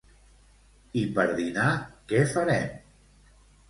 I per dinar què farem?